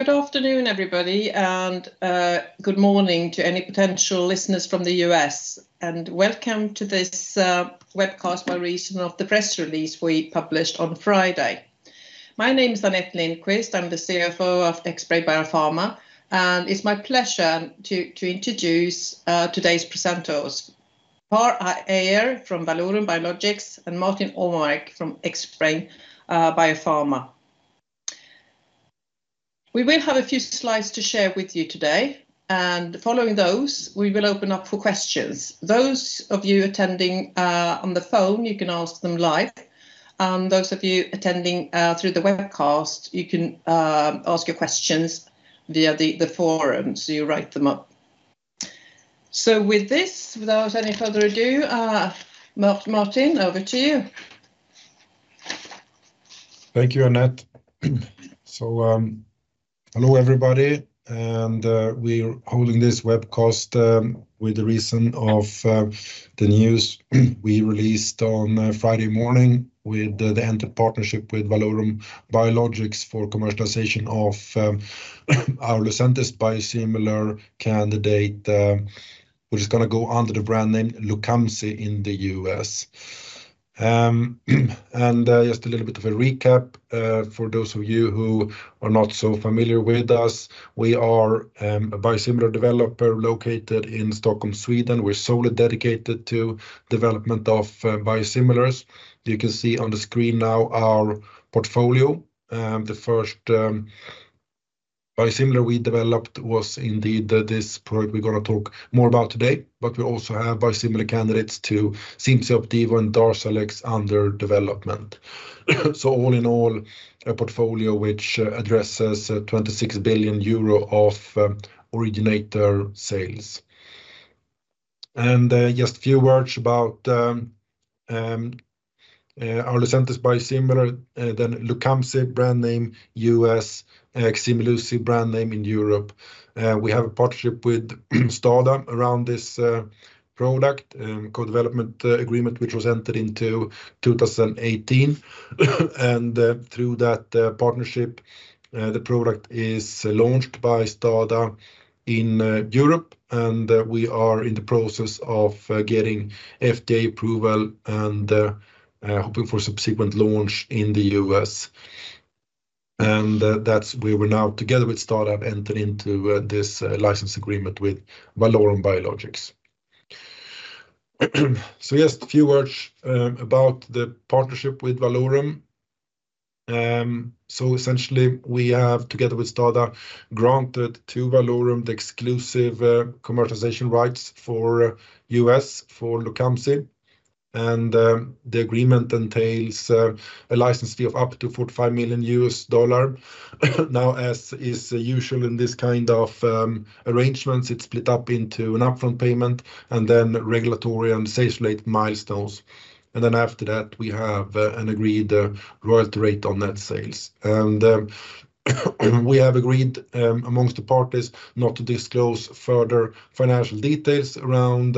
Good afternoon, everybody, and good morning to any potential listeners from the U.S., and welcome to this webcast by reason of the press release we published on Friday. My name is Anette Lindqvist. I'm the CFO of Xbrane Biopharma, and it's my pleasure to introduce today's presenters, Par Hyare from Valorum Biologics and Martin Åmark from Xbrane Biopharma. We will have a few slides to share with you today, and following those, we will open up for questions. Those of you attending on the phone, you can ask them live. Those of you attending through the webcast, you can ask your questions via the forum, so you write them up. So with this, without any further ado, Martin, over to you. Thank you, Anette. So, hello, everybody, and, we're holding this webcast, with the reason of, the news we released on Friday morning with the entered partnership with Valorum Biologics for commercialization of, our Lucentis biosimilar candidate, which is gonna go under the brand name Lucamzi in the U.S. And, just a little bit of a recap, for those of you who are not so familiar with us, we are, a biosimilar developer located in Stockholm, Sweden. We're solely dedicated to development of, biosimilars. You can see on the screen now our portfolio. The first, biosimilar we developed was indeed, this product we're gonna talk more about today, but we also have biosimilar candidates to Cimzia and Darzalex under development. So all in all, a portfolio which addresses 26 billion euro of, originator sales. Just a few words about our Lucentis biosimilar, then Lucamzi brand name U.S., Ximluci brand name in Europe. We have a partnership with STADA around this product, co-development agreement, which was entered into 2018. Through that partnership, the product is launched by STADA in Europe, and we are in the process of getting FDA approval and hoping for subsequent launch in the U.S. That's where we're now, together with STADA, entering into this license agreement with Valorum Biologics. So just a few words about the partnership with Valorum. So essentially, we have, together with STADA, granted to Valorum the exclusive commercialization rights for U.S., for Lucamzi. The agreement entails a license fee of up to $45 million. Now, as is usual in this kind of arrangements, it's split up into an upfront payment and then regulatory and sales-related milestones, and then after that, we have an agreed royalty rate on net sales. We have agreed amongst the parties not to disclose further financial details around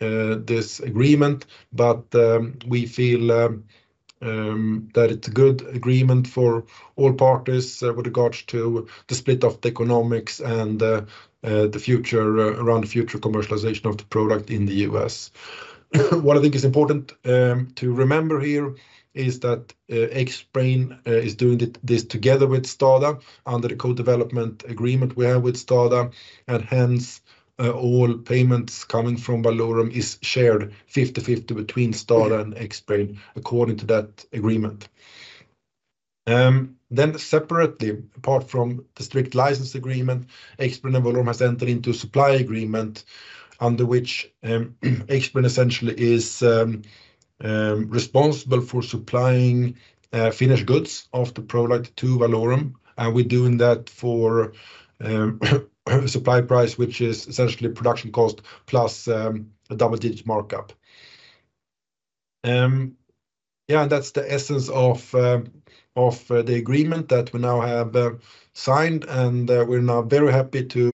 this agreement, but we feel that it's a good agreement for all parties with regards to the split of the economics and the future commercialization of the product in the U.S. What I think is important to remember here is that Xbrane is doing this together with STADA under the co-development agreement we have with STADA, and hence all payments coming from Valorum is shared 50/50 between STADA and Xbrane, according to that agreement. Then separately, apart from the strict license agreement, Xbrane and Valorum has entered into a supply agreement, under which Xbrane essentially is responsible for supplying finished goods of the product to Valorum, and we're doing that for supply price, which is essentially production cost, plus a double-digit markup. Yeah, that's the essence of the agreement that we now have signed, and we're now very happy to...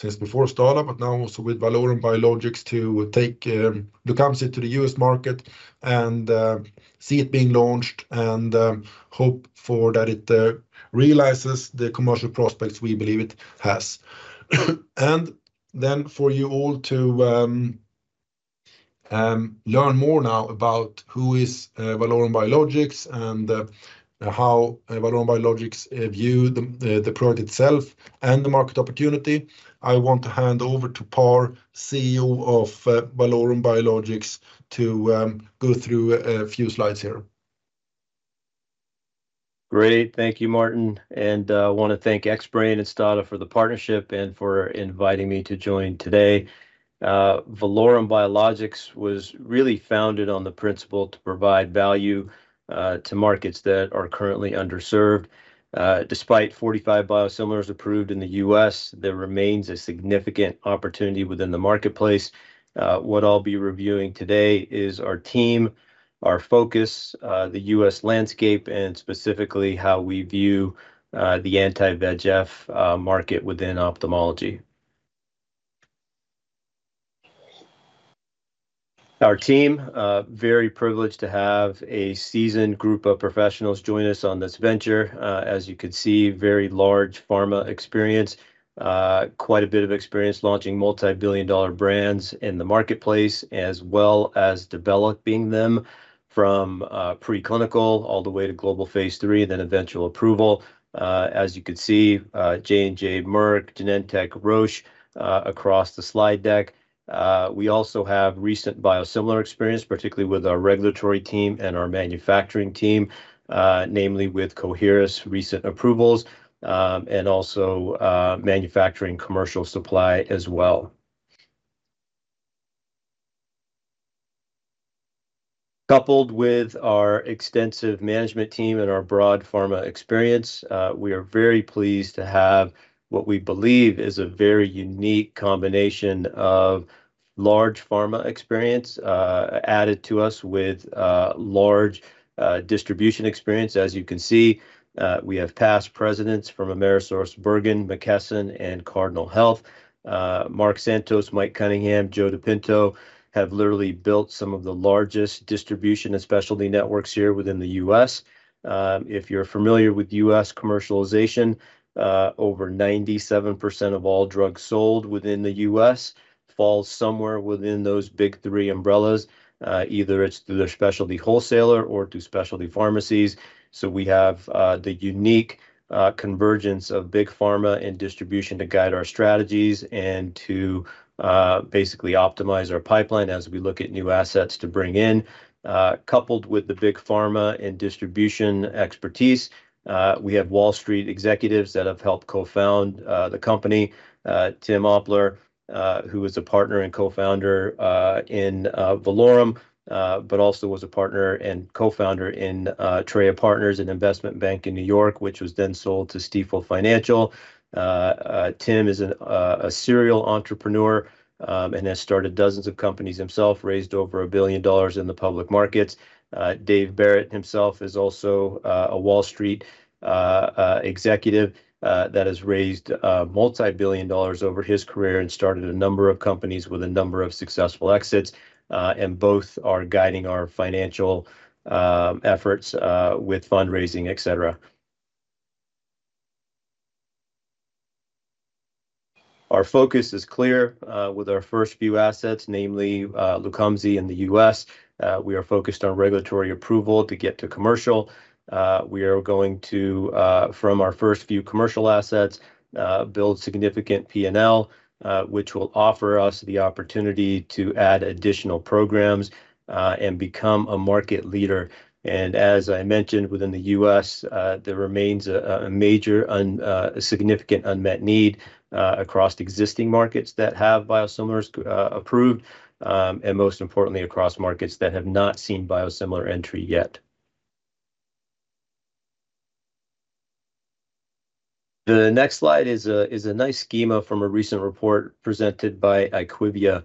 since before STADA, but now also with Valorum Biologics, to take Lucamzi to the U.S. market and see it being launched and hope for that it realizes the commercial prospects we believe it has. Then, for you all to learn more now about who is Valorum Biologics, and how Valorum Biologics view the product itself and the market opportunity, I want to hand over to Par, CEO of Valorum Biologics, to go through a few slides here. Great. Thank you, Martin, and, I want to thank Xbrane and Stada for the partnership and for inviting me to join today. Valorum Biologics was really founded on the principle to provide value, to markets that are currently underserved. Despite 45 biosimilars approved in the U.S., there remains a significant opportunity within the marketplace. What I'll be reviewing today is our team, our focus, the U.S. landscape, and specifically, how we view, the anti-VEGF market within ophthalmology. Our team, very privileged to have a seasoned group of professionals join us on this venture. As you can see, very large pharma experience, quite a bit of experience launching multi-billion dollar brands in the marketplace, as well as developing them from preclinical all the way to global phase III, then eventual approval. As you can see, J&J, Merck, Genentech, Roche, across the slide deck. We also have recent biosimilar experience, particularly with our regulatory team and our manufacturing team, namely with Coherus' recent approvals, and also manufacturing commercial supply as well. Coupled with our extensive management team and our broad pharma experience, we are very pleased to have what we believe is a very unique combination of large pharma experience, added to us with large distribution experience. As you can see, we have past presidents from AmerisourceBergen, McKesson, and Cardinal Health. Mark Santos, Mike Cunningham, Joe DePinto have literally built some of the largest distribution and specialty networks here within the U.S. If you're familiar with U.S. commercialization, over 97% of all drugs sold within the U.S. falls somewhere within those big three umbrellas. Either it's through their specialty wholesaler or through specialty pharmacies. So we have the unique convergence of big pharma and distribution to guide our strategies and to basically optimize our pipeline as we look at new assets to bring in. Coupled with the big pharma and distribution expertise, we have Wall Street executives that have helped co-found the company. Tim Opler, who was a partner and co-founder in Valorum, but also was a partner and co-founder in Torreya Partners, an investment bank in New York, which was then sold to Stifel Financial. Tim is a serial entrepreneur, and has started dozens of companies himself, raised over $1 billion in the public markets. Dave Barrett himself is also a Wall Street executive, that has raised multi-billion dollars over his career and started a number of companies with a number of successful exits, and both are guiding our financial efforts with fundraising, et cetera. Our focus is clear with our first few assets, namely, Lucamzi in the U.S. We are focused on regulatory approval to get to commercial. We are going to, from our first few commercial assets, build significant P&L, which will offer us the opportunity to add additional programs, and become a market leader. And as I mentioned, within the U.S., there remains a significant unmet need across existing markets that have biosimilars approved, and most importantly, across markets that have not seen biosimilar entry yet. The next slide is a nice schema from a recent report presented by IQVIA.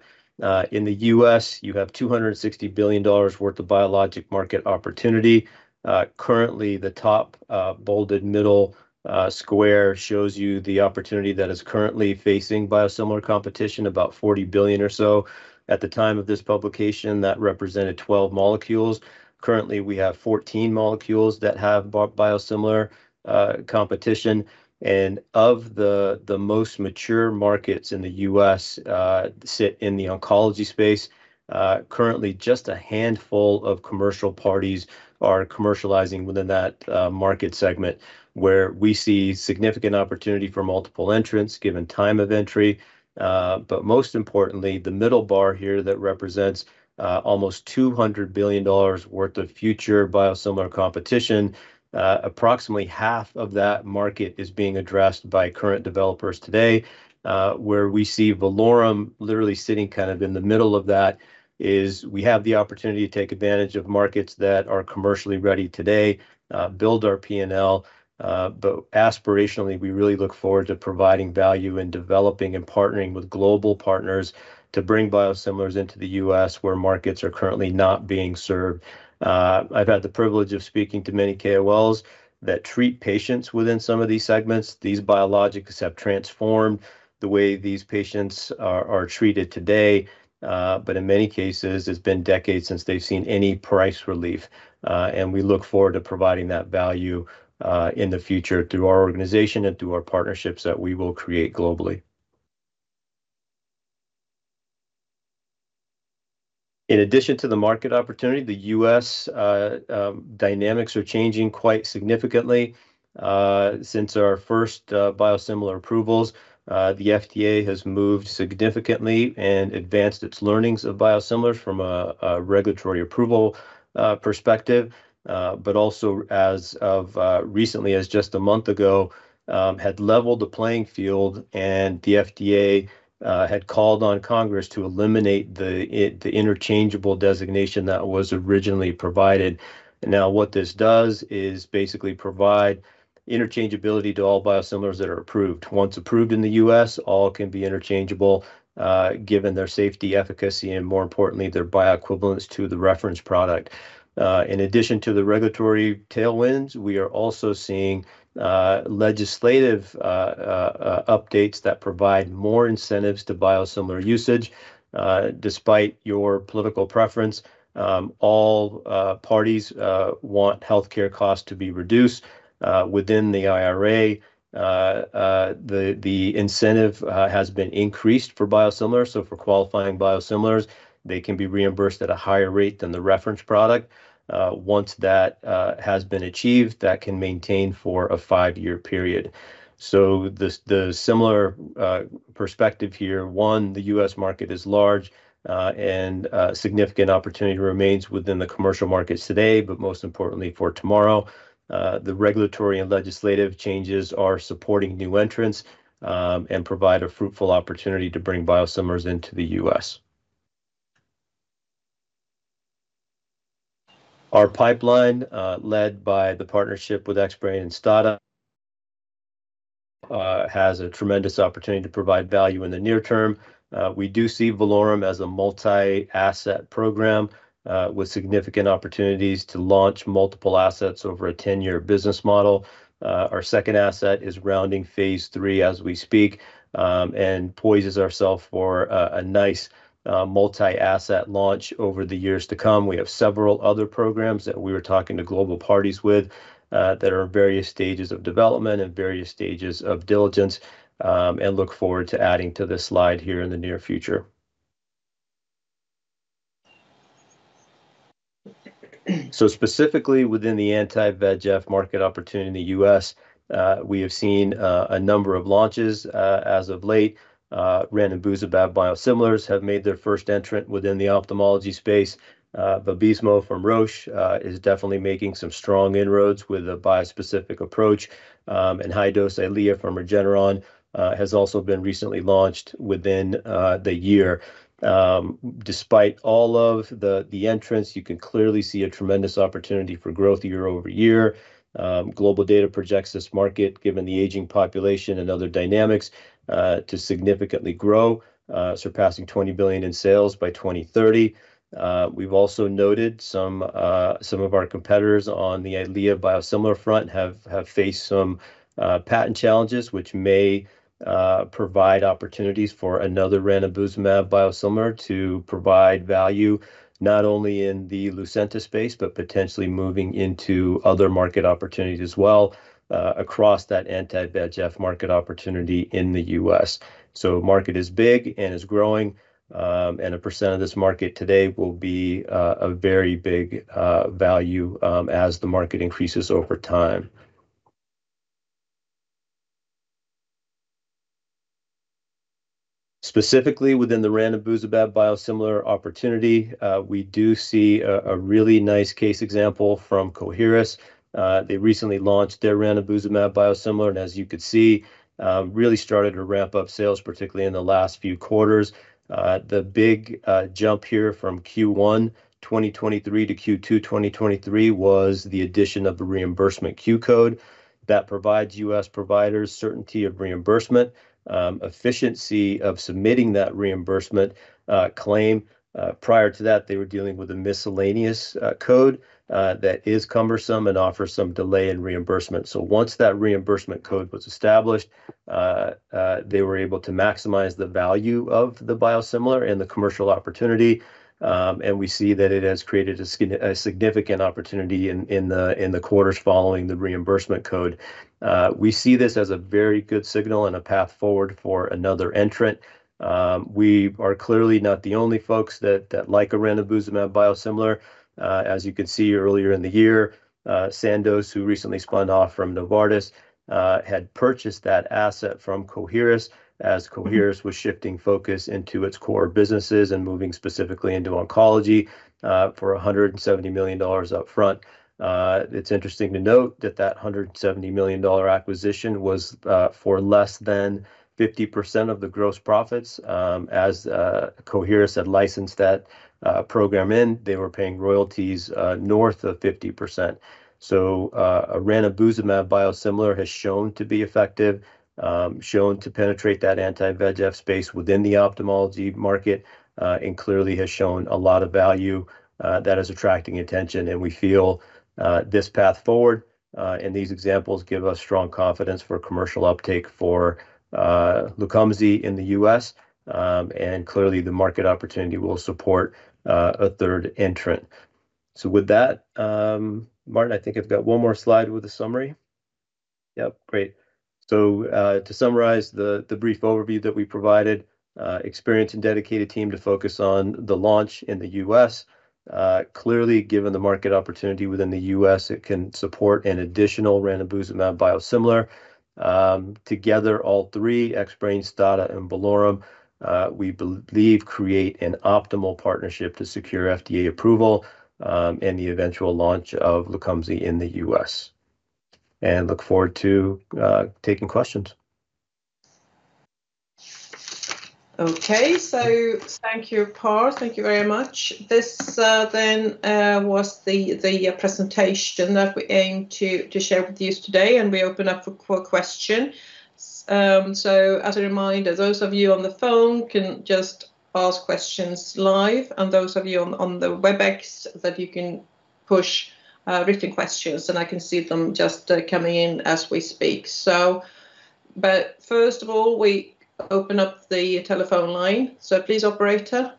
In the U.S., you have $260 billion worth of biologic market opportunity. Currently, the top bolded middle square shows you the opportunity that is currently facing biosimilar competition, about $40 billion or so. At the time of this publication, that represented 12 molecules. Currently, we have 14 molecules that have biosimilar competition, and of the most mature markets in the U.S. sit in the oncology space. Currently, just a handful of commercial parties are commercializing within that market segment, where we see significant opportunity for multiple entrants, given time of entry. But most importantly, the middle bar here that represents almost $200 billion worth of future biosimilar competition, approximately half of that market is being addressed by current developers today. Where we see Valorum literally sitting kind of in the middle of that, is we have the opportunity to take advantage of markets that are commercially ready today, build our P&L. But aspirationally, we really look forward to providing value and developing and partnering with global partners to bring biosimilars into the U.S., where markets are currently not being served. I've had the privilege of speaking to many KOLs that treat patients within some of these segments. These biologics have transformed the way these patients are treated today, but in many cases, it's been decades since they've seen any price relief. And we look forward to providing that value in the future through our organization and through our partnerships that we will create globally. In addition to the market opportunity, the U.S. dynamics are changing quite significantly. Since our first biosimilar approvals, the FDA has moved significantly and advanced its learnings of biosimilars from a regulatory approval perspective. But also, as of recently, as just a month ago, had leveled the playing field, and the FDA had called on Congress to eliminate the interchangeable designation that was originally provided. Now, what this does is basically provide interchangeability to all biosimilars that are approved. Once approved in the U.S., all can be interchangeable, given their safety, efficacy, and more importantly, their bioequivalence to the reference product. In addition to the regulatory tailwinds, we are also seeing legislative updates that provide more incentives to biosimilar usage. Despite your political preference, all parties want healthcare costs to be reduced. Within the IRA, the incentive has been increased for biosimilars. So for qualifying biosimilars, they can be reimbursed at a higher rate than the reference product. Once that has been achieved, that can maintain for a five-year period. So the similar perspective here, one, the U.S. market is large, and significant opportunity remains within the commercial markets today, but most importantly, for tomorrow, the regulatory and legislative changes are supporting new entrants, and provide a fruitful opportunity to bring biosimilars into the U.S. Our pipeline, led by the partnership with Xbrane and STADA, has a tremendous opportunity to provide value in the near term. We do see Valorum as a multi-asset program, with significant opportunities to launch multiple assets over a ten-year business model. Our second asset is rounding phase III as we speak, and poises ourselves for a nice multi-asset launch over the years to come. We have several other programs that we were talking to global parties with, that are in various stages of development and various stages of diligence, and look forward to adding to this slide here in the near future. So specifically within the anti-VEGF market opportunity in the U.S., we have seen a number of launches as of late. Ranibizumab biosimilars have made their first entrant within the ophthalmology space. Vabysmo from Roche is definitely making some strong inroads with a bispecific approach, and high-dose Eylea from Regeneron has also been recently launched within the year. Despite all of the entrants, you can clearly see a tremendous opportunity for growth year-over-year. Global data projects this market, given the aging population and other dynamics, to significantly grow, surpassing $20 billion in sales by 2030. We've also noted some of our competitors on the Eylea biosimilar front have faced some patent challenges, which may provide opportunities for another ranibizumab biosimilar to provide value, not only in the Lucentis space, but potentially moving into other market opportunities as well, across that anti-VEGF market opportunity in the U.S. So market is big and is growing, and a percent of this market today will be a very big value, as the market increases over time. Specifically, within the ranibizumab biosimilar opportunity, we do see a really nice case example from Coherus. They recently launched their ranibizumab biosimilar, and as you can see, really started to ramp up sales, particularly in the last few quarters. The big jump here from Q1 2023 to Q2 2023 was the addition of the reimbursement Q code. That provides U.S. providers certainty of reimbursement, efficiency of submitting that reimbursement claim. Prior to that, they were dealing with a miscellaneous code that is cumbersome and offers some delay in reimbursement. So once that reimbursement code was established, they were able to maximize the value of the biosimilar and the commercial opportunity, and we see that it has created a significant opportunity in the quarters following the reimbursement code. We see this as a very good signal and a path forward for another entrant. We are clearly not the only folks that like a ranibizumab biosimilar. As you can see, earlier in the year, Sandoz, who recently spun off from Novartis, had purchased that asset from Coherus as Coherus was shifting focus into its core businesses and moving specifically into oncology, for $170 million upfront. It's interesting to note that that $170 million acquisition was for less than 50% of the gross profits. As Coherus had licensed that program in, they were paying royalties north of 50%. So, a ranibizumab biosimilar has shown to be effective, shown to penetrate that anti-VEGF space within the ophthalmology market, and clearly has shown a lot of value that is attracting attention, and we feel this path forward and these examples give us strong confidence for commercial uptake for Lucamzi in the U.S. And clearly, the market opportunity will support a third entrant. So with that, Martin Åmark, I think I've got one more slide with a summary. Yep, great. So, to summarize the brief overview that we provided, experienced and dedicated team to focus on the launch in the U.S. Clearly, given the market opportunity within the U.S., it can support an additional ranibizumab biosimilar. Together, all three, Xbrane, STADA, and Valorum, we believe, create an optimal partnership to secure FDA approval and the eventual launch of Lucamzi in the U.S. Look forward to taking questions.... Okay, so thank you, Par. Thank you very much. This, then, was the presentation that we aim to share with you today, and we open up for question. So as a reminder, those of you on the phone can just ask questions live, and those of you on the Webex, that you can push written questions, and I can see them just coming in as we speak. So but first of all, we open up the telephone line. So please, operator.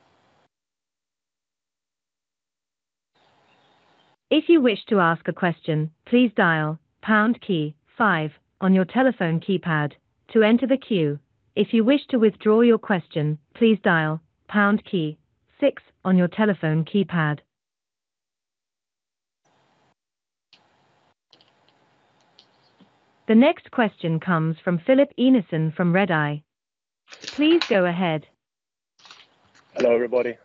If you wish to ask a question, please dial pound key five on your telephone keypad to enter the queue. If you wish to withdraw your question, please dial pound key six on your telephone keypad. The next question comes from Filip Einarsson from Redeye. Please go ahead. Hello, everybody.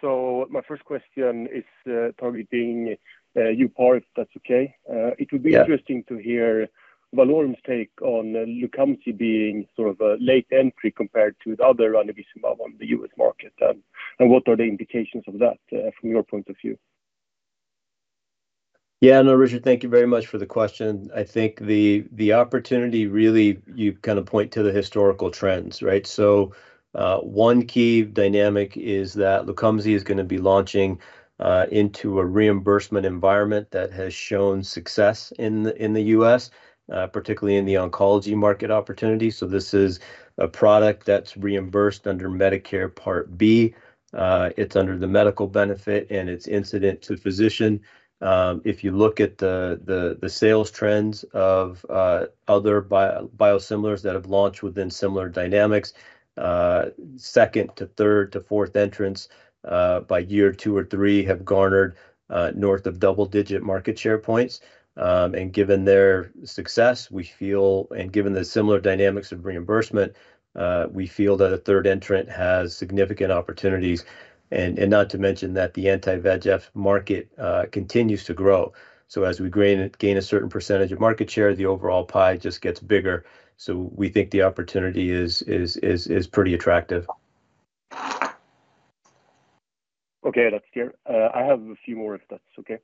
So my first question is, targeting you, Par, if that's okay. Yeah. It would be interesting to hear Valorum's take on Lucamzi being sort of a late entry compared to other ranibizumab on the U.S. market, and what are the indications of that, from your point of view? Yeah, no, Filip, thank you very much for the question. I think the opportunity, really, you kind of point to the historical trends, right? So, one key dynamic is that Lucamzi is gonna be launching into a reimbursement environment that has shown success in the U.S., particularly in the oncology market opportunity. So this is a product that's reimbursed under Medicare Part B. It's under the medical benefit, and it's incident to physician. If you look at the sales trends of other biosimilars that have launched within similar dynamics, second to third to fourth entrants, by year 2 or 3, have garnered north of double-digit market share points. And given their success, we feel... Given the similar dynamics of reimbursement, we feel that a third entrant has significant opportunities, and not to mention that the anti-VEGF market continues to grow. So as we gain a certain percentage of market share, the overall pie just gets bigger. So we think the opportunity is pretty attractive. Okay, that's clear. I have a few more, if that's okay.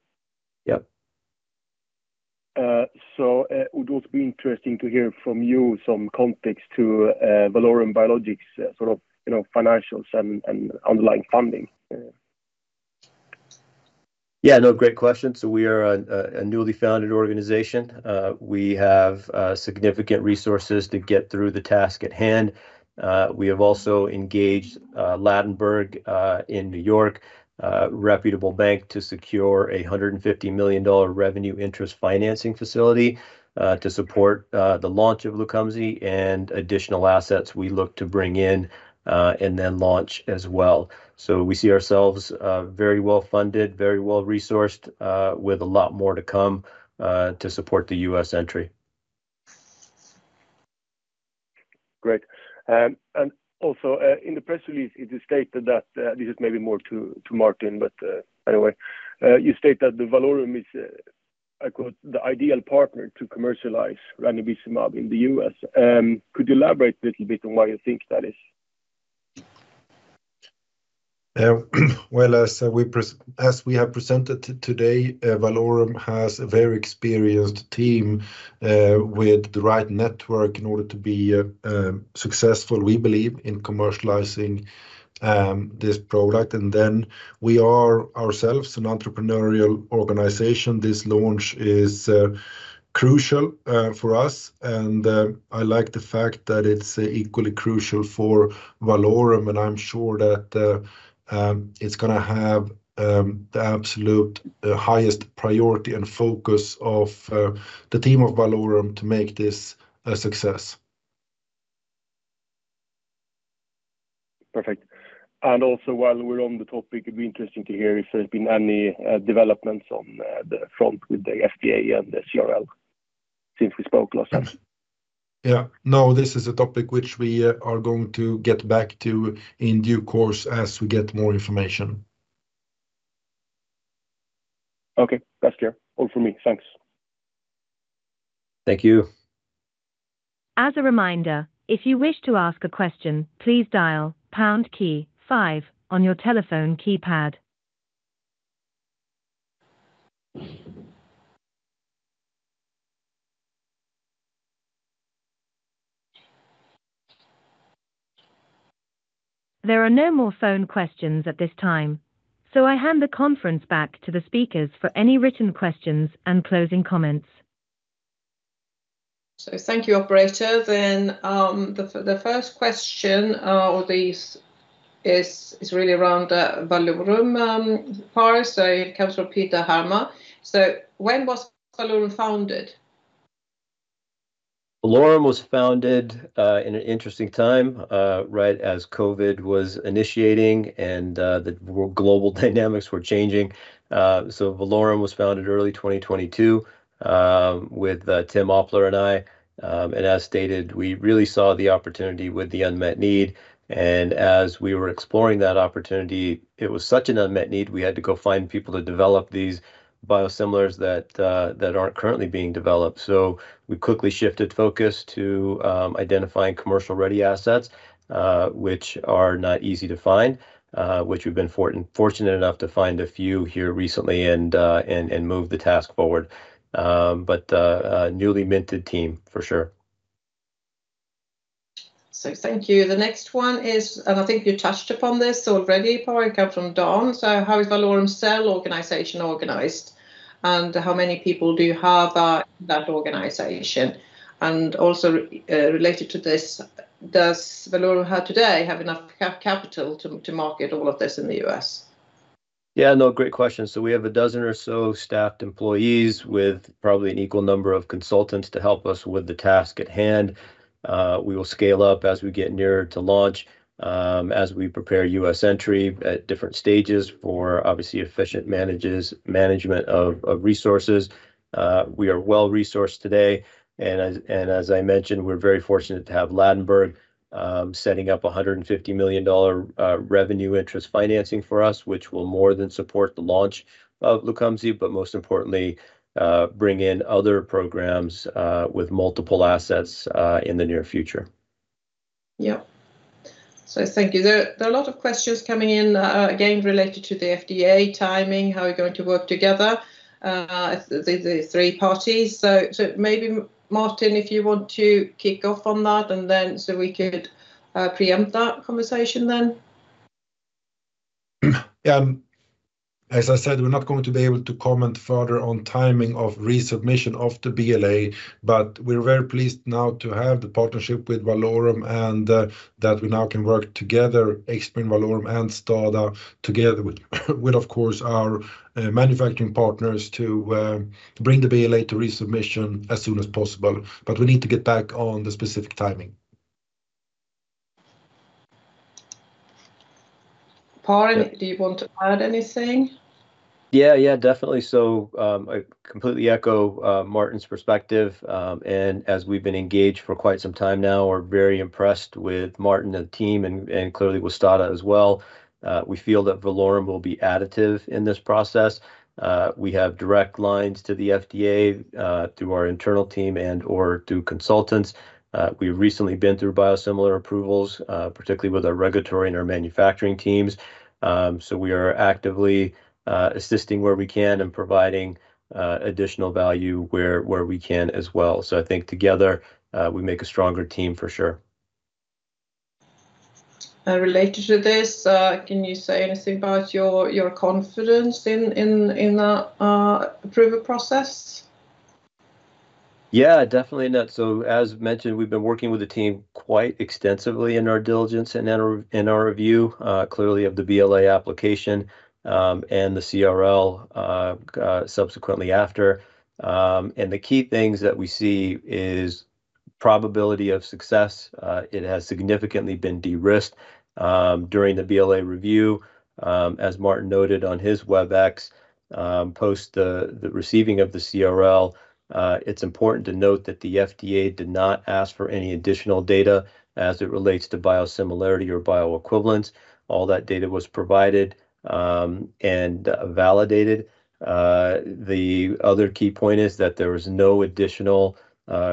Yeah. So, would it also be interesting to hear from you some context to Valorum Biologics, sort of, you know, financials and underlying funding? Yeah, no, great question. So we are a newly founded organization. We have significant resources to get through the task at hand. We have also engaged Ladenburg, in New York, a reputable bank, to secure a $150 million revenue interest financing facility, to support the launch of Lucamzi and additional assets we look to bring in, and then launch as well. So we see ourselves very well-funded, very well-resourced, with a lot more to come, to support the U.S. entry. Great. And also, in the press release, it is stated that. This is maybe more to Martin, but, anyway, you state that the Valorum is, I quote, "The ideal partner to commercialize ranibizumab in the U.S." Could you elaborate a little bit on why you think that is? Yeah. Well, as we have presented today, Valorum has a very experienced team with the right network in order to be successful, we believe, in commercializing this product. And then we are ourselves an entrepreneurial organization. This launch is crucial for us, and I like the fact that it's equally crucial for Valorum, and I'm sure that it's gonna have the absolute highest priority and focus of the team of Valorum to make this a success. Perfect. And also, while we're on the topic, it'd be interesting to hear if there's been any developments on the front with the FDA and the CRL since we spoke last time. Yeah. No, this is a topic which we are going to get back to in due course as we get more information. Okay. That's clear. All for me. Thanks. Thank you. As a reminder, if you wish to ask a question, please dial pound key five on your telephone keypad. There are no more phone questions at this time, so I hand the conference back to the speakers for any written questions and closing comments. So thank you, Operator. Then, the first question of these is really around the Valorum part, so it comes from Peter Harmer. So when was Valorum founded? Valorum was founded in an interesting time right as COVID was initiating, and the global dynamics were changing. So Valorum was founded early 2022 with Tim Opler and I, and as stated, we really saw the opportunity with the unmet need, and as we were exploring that opportunity, it was such an unmet need, we had to go find people to develop these biosimilars that aren't currently being developed. So we quickly shifted focus to identifying commercial-ready assets, which are not easy to find, which we've been fortunate enough to find a few here recently and move the task forward. But a newly minted team for sure. ... So thank you. The next one is, and I think you touched upon this already, coming from Don. So how is Valorum sales organization organized, and how many people do you have at that organization? And also, related to this, does Valorum today have enough capital to market all of this in the U.S.? Yeah, no, great question. So we have a dozen or so staffed employees with probably an equal number of consultants to help us with the task at hand. We will scale up as we get nearer to launch, as we prepare U.S. entry at different stages for obviously efficient management of resources. We are well-resourced today, and as I mentioned, we're very fortunate to have Ladenburg setting up a $150 million revenue interest financing for us, which will more than support the launch of Lucamzi, but most importantly, bring in other programs with multiple assets in the near future. Yeah. So thank you. There are a lot of questions coming in, again, related to the FDA timing, how are we going to work together, the three parties. So maybe Martin, if you want to kick off on that, and then so we could preempt that conversation then. As I said, we're not going to be able to comment further on timing of resubmission of the BLA, but we're very pleased now to have the partnership with Valorum and that we now can work together, Xbrane, Valorum, and STADA together with, of course, our manufacturing partners to bring the BLA to resubmission as soon as possible. But we need to get back on the specific timing. Par, do you want to add anything? Yeah, yeah, definitely. So, I completely echo Martin's perspective, and as we've been engaged for quite some time now, we're very impressed with Martin and the team and clearly with Stada as well. We feel that Valorum will be additive in this process. We have direct lines to the FDA through our internal team and/or through consultants. We've recently been through biosimilar approvals, particularly with our regulatory and our manufacturing teams. So we are actively assisting where we can and providing additional value where we can as well. So I think together we make a stronger team for sure. Related to this, can you say anything about your, your confidence in, in, in the approval process? Yeah, definitely. So, as mentioned, we've been working with the team quite extensively in our diligence and in our review clearly of the BLA application, and the CRL subsequently after. And the key things that we see is probability of success. It has significantly been de-risked during the BLA review. As Martin noted on his WebEx post the receiving of the CRL, it's important to note that the FDA did not ask for any additional data as it relates to biosimilarity or bioequivalence. All that data was provided and validated. The other key point is that there was no additional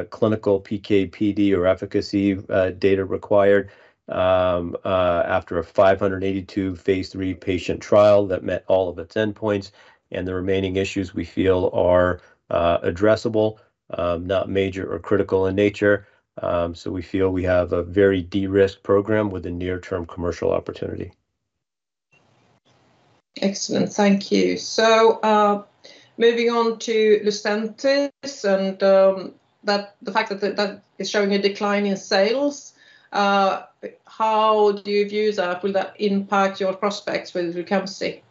clinical PK/PD or efficacy data required after a 582-phase III patient trial that met all of its endpoints, and the remaining issues we feel are addressable, not major or critical in nature. So we feel we have a very de-risked program with a near-term commercial opportunity. Excellent. Thank you. So, moving on to Lucentis and, that the fact that that is showing a decline in sales, how do you view that? Will that impact your prospects with Lucamzi?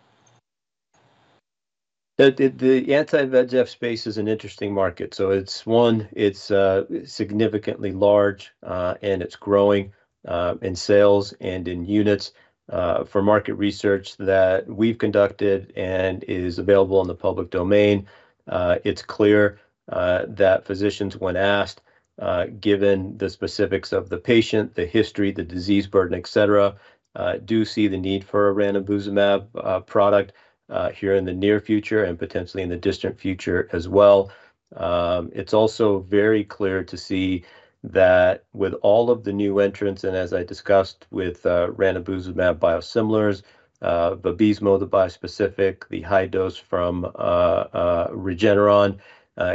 The anti-VEGF space is an interesting market. So it's one, it's significantly large, and it's growing in sales and in units. For market research that we've conducted and is available in the public domain, it's clear that physicians, when asked, given the specifics of the patient, the history, the disease burden, et cetera, do see the need for a ranibizumab product here in the near future and potentially in the distant future as well. It's also very clear to see that with all of the new entrants, and as I discussed with ranibizumab biosimilars, the bispecific, the high dose from Regeneron,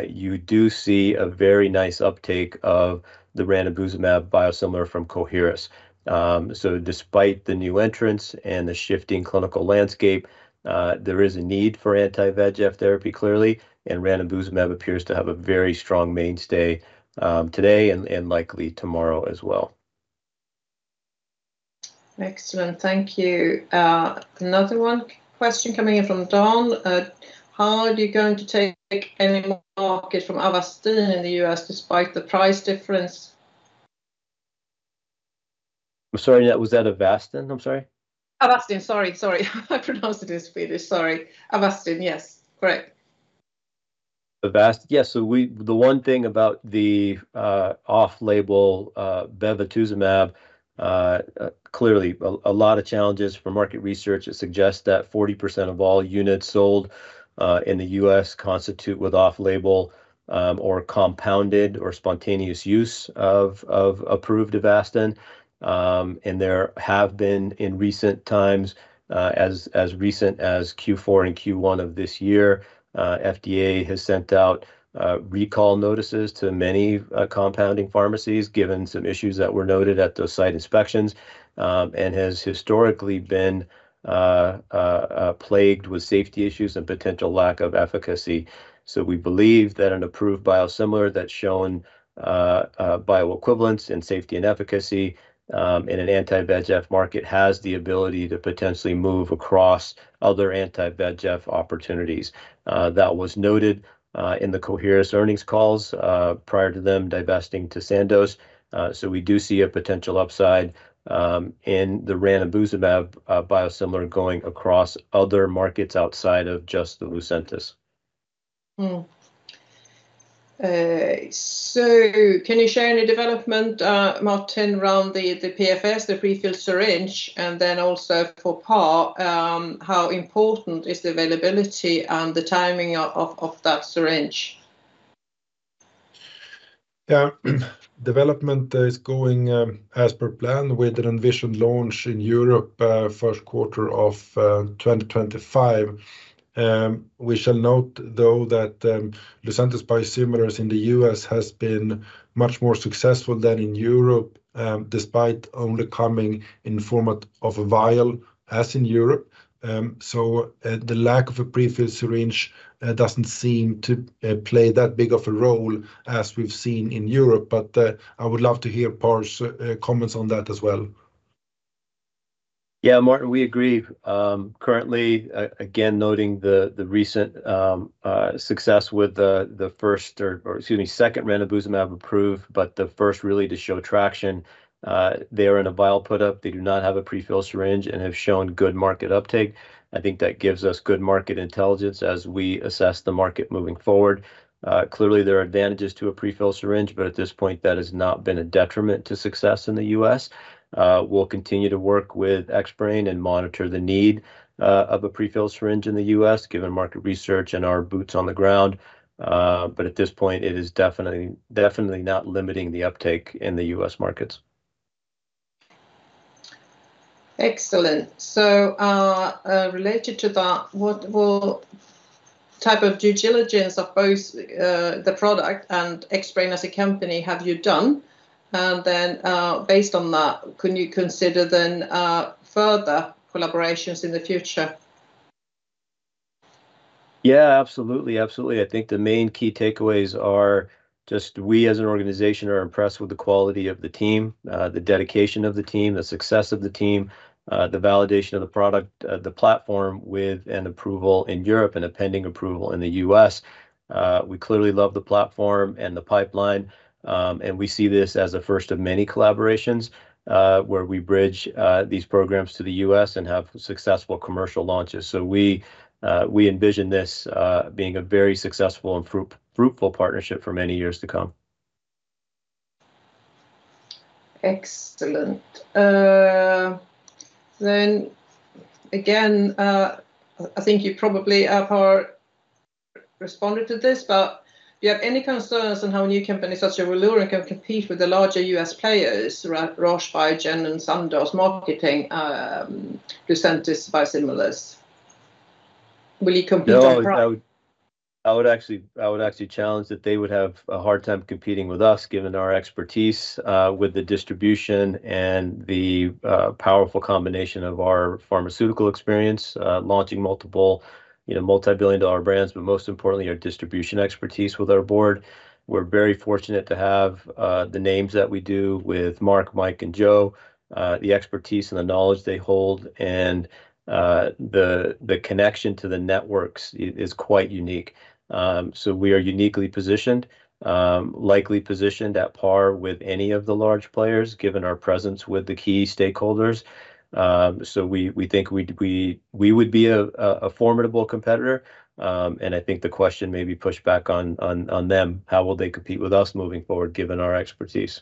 you do see a very nice uptake of the ranibizumab biosimilar from Coherus. Despite the new entrants and the shifting clinical landscape, there is a need for anti-VEGF therapy, clearly, and ranibizumab appears to have a very strong mainstay today and likely tomorrow as well. Excellent. Thank you. Another one question coming in from Don. How are you going to take any market from Avastin in the U.S. despite the price difference? I'm sorry, that was Avastin? I'm sorry. Avastin, sorry, sorry. I pronounced it in Swedish, sorry. Avastin, yes, correct. ... Avastin, yeah, so we, the one thing about the, off-label, bevacizumab, clearly a lot of challenges for market research. It suggests that 40% of all units sold, in the U.S. constitute with off-label, or compounded or spontaneous use of, of approved Avastin. And there have been, in recent times, as recent as Q4 and Q1 of this year, FDA has sent out, recall notices to many, compounding pharmacies, given some issues that were noted at those site inspections, and has historically been, plagued with safety issues and potential lack of efficacy. So we believe that an approved biosimilar that's shown, bioequivalence in safety and efficacy, in an anti-VEGF market, has the ability to potentially move across other anti-VEGF opportunities. That was noted in the Coherus earnings calls prior to them divesting to Sandoz. So we do see a potential upside in the ranibizumab biosimilar going across other markets outside of just the Lucentis. So can you share any development, Martin, around the PFS, the prefilled syringe, and then also for Par, how important is the availability and the timing of that syringe? Yeah. Development is going as per plan with an envisioned launch in Europe first quarter of 2025. We shall note, though, that Lucentis biosimilars in the U.S. has been much more successful than in Europe despite only coming in format of a vial, as in Europe. So, the lack of a prefilled syringe doesn't seem to play that big of a role as we've seen in Europe, but I would love to hear Par's comments on that as well. Yeah, Martin, we agree. Currently, again, noting the recent success with the second ranibizumab approved, but the first really to show traction. They are in a vial put up. They do not have a prefilled syringe and have shown good market uptake. I think that gives us good market intelligence as we assess the market moving forward. Clearly, there are advantages to a prefilled syringe, but at this point, that has not been a detriment to success in the U.S. We'll continue to work with Xbrane and monitor the need of a prefilled syringe in the U.S., given market research and our boots on the ground. But at this point, it is definitely, definitely not limiting the uptake in the U.S. markets. Excellent. So, related to that, what type of due diligence of both the product and Xbrane as a company have you done? And then, based on that, could you consider then further collaborations in the future? Yeah, absolutely, absolutely. I think the main key takeaways are just we, as an organization, are impressed with the quality of the team, the dedication of the team, the success of the team, the validation of the product, the platform with an approval in Europe and a pending approval in the U.S. We clearly love the platform and the pipeline, and we see this as a first of many collaborations, where we bridge these programs to the U.S. and have successful commercial launches. So we envision this being a very successful and fruitful partnership for many years to come. Excellent. Then again, I think you probably have, Par, responded to this, but do you have any concerns on how a new company, such as Valorum, can compete with the larger U.S. players, Roche, Biogen, and Sandoz, marketing Lucentis biosimilars? Will you compete on price? No, I would, I would actually, I would actually challenge that they would have a hard time competing with us, given our expertise, with the distribution and the, powerful combination of our pharmaceutical experience, launching multiple, you know, multi-billion dollar brands, but most importantly, our distribution expertise with our board. We're very fortunate to have, the names that we do with Mark, Mike, and Joe, the expertise and the knowledge they hold, and, the connection to the networks is quite unique. So we are uniquely positioned, likely positioned at par with any of the large players, given our presence with the key stakeholders. So we think we would be a formidable competitor, and I think the question may be pushed back on them, how will they compete with us moving forward, given our expertise?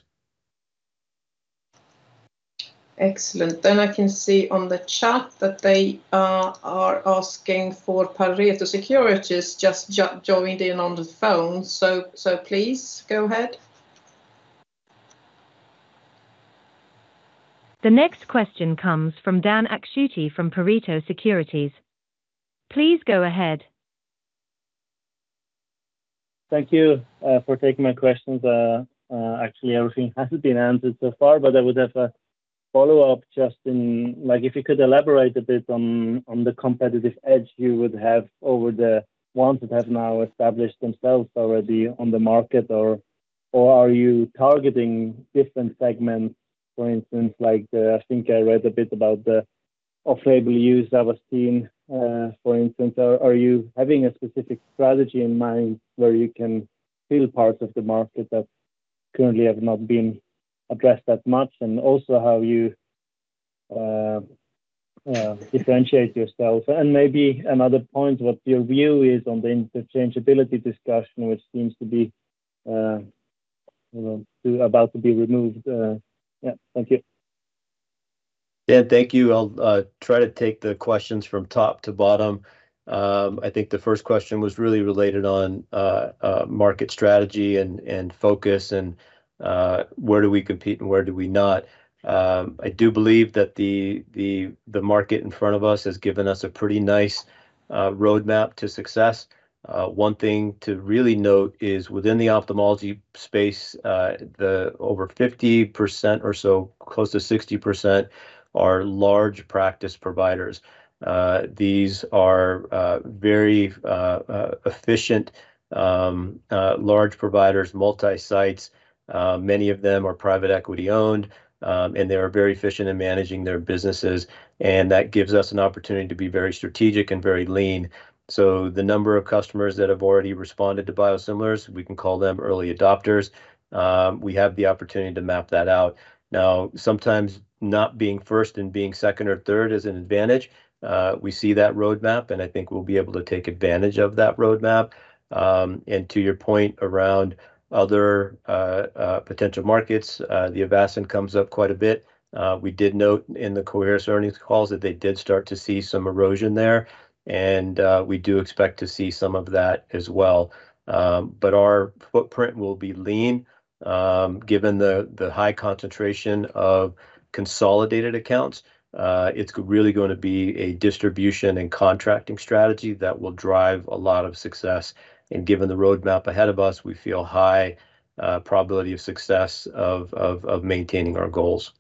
Excellent. Then I can see on the chat that they are asking for Pareto Securities just joined in on the phone, so please go ahead. The next question comes from Dan Akschuti from Pareto Securities. Please go ahead. Thank you for taking my questions. Actually, everything has been answered so far, but I would have a follow-up. Like, if you could elaborate a bit on the competitive edge you would have over the ones that have now established themselves already on the market, or are you targeting different segments, for instance, like the, I think I read a bit about the off-label use that was seen, for instance. Are you having a specific strategy in mind, where you can fill parts of the market that currently have not been addressed that much? And also, how you differentiate yourself? And maybe another point, what your view is on the interchangeability discussion, which seems to be, you know, about to be removed. Yeah, thank you. Yeah, thank you. I'll try to take the questions from top to bottom. I think the first question was really related on market strategy and focus, and where do we compete and where do we not? I do believe that the market in front of us has given us a pretty nice roadmap to success. One thing to really note is within the ophthalmology space, the over 50% or so, close to 60%, are large practice providers. These are very efficient large providers, multi-sites. Many of them are private equity-owned, and they are very efficient in managing their businesses, and that gives us an opportunity to be very strategic and very lean. So the number of customers that have already responded to biosimilars, we can call them early adopters, we have the opportunity to map that out. Now, sometimes not being first and being second or third is an advantage. We see that roadmap, and I think we'll be able to take advantage of that roadmap. And to your point around other potential markets, the Avastin comes up quite a bit. We did note in the Coherus earnings calls that they did start to see some erosion there, and we do expect to see some of that as well. But our footprint will be lean. Given the high concentration of consolidated accounts, it's really going to be a distribution and contracting strategy that will drive a lot of success. Given the roadmap ahead of us, we feel high probability of success of maintaining our goals.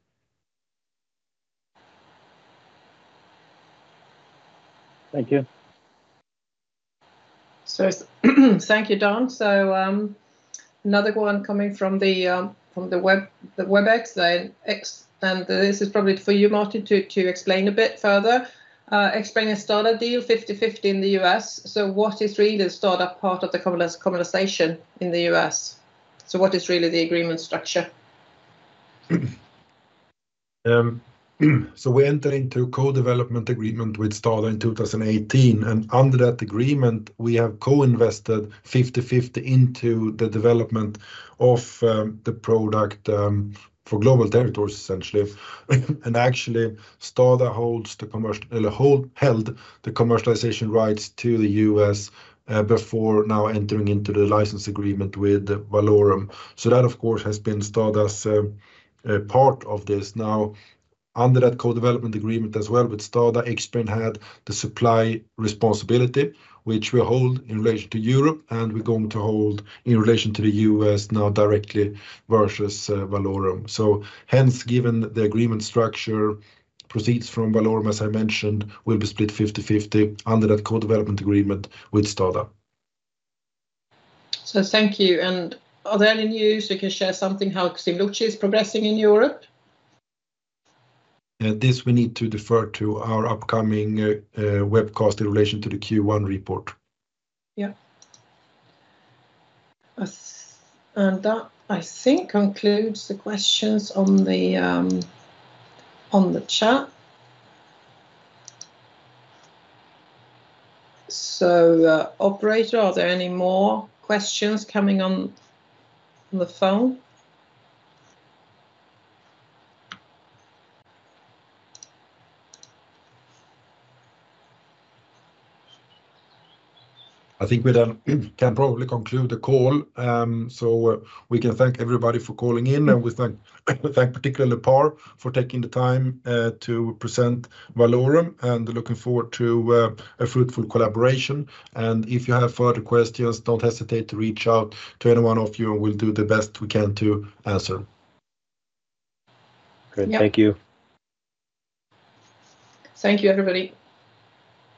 Thank you. So thank you, Dan. So, another one coming from the web, the Webex. And this is probably for you, Martin, to explain a bit further. Xbrane has started a deal 50/50 in the U.S., so what is really the startup part of the commercialization in the U.S.? So what is really the agreement structure? So we entered into a co-development agreement with STADA in 2018, and under that agreement, we have co-invested 50/50 into the development of the product for global territories, essentially. And actually, STADA held the commercialization rights to the U.S. before now entering into the license agreement with Valorum. So that, of course, has been STADA's part of this. Now, under that co-development agreement as well, with STADA, Xbrane had the supply responsibility, which we hold in relation to Europe, and we're going to hold in relation to the U.S. now directly versus Valorum. So hence, given the agreement structure, proceeds from Valorum, as I mentioned, will be split 50/50 under that co-development agreement with STADA. Thank you, and are there any news you can share something how Ximluci is progressing in Europe? This, we need to defer to our upcoming webcast in relation to the Q1 report. Yeah. And that, I think, concludes the questions on the chat. So, Operator, are there any more questions coming on the phone? I think we then can probably conclude the call. So we can thank everybody for calling in, and we thank particularly Par for taking the time to present Valorum, and looking forward to a fruitful collaboration. And if you have further questions, don't hesitate to reach out to any one of you, and we'll do the best we can to answer. Good. Yeah. Thank you. Thank you, everybody.